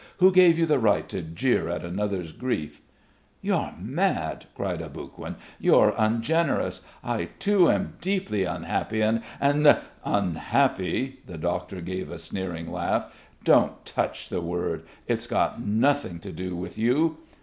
"Who gave you the right to jeer at another's grief?" "You're mad," cried Aboguin. "You're ungenerous. I too am deeply unhappy and ... and ..." "Unhappy" the doctor gave a sneering laugh "Don't touch the word, it's got nothing to do with you.